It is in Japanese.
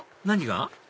何が？